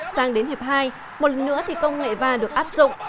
sang đến hiệp hai một lần nữa thì công nghệ va được áp dụng